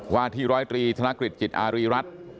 วาที๑๐๓ธนกฤทธิ์จิตอารีรัฐ